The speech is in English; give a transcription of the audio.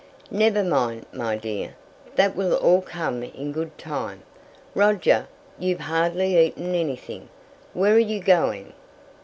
"Never mind, my dear. That will all come in good time. Roger, you've hardly eaten anything; where are you going?"